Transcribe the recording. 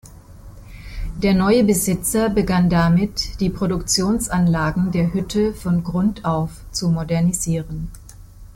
Der neue Besitzer begann damit, die Produktionsanlagen der Hütte von Grund auf zu modernisieren.